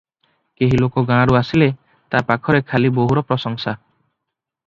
କେହି ଲୋକ ଗାଁରୁ ଆସିଲେ ତା ପାଖରେ ଖାଲି ବୋହୁର ପ୍ରଶଂସା ।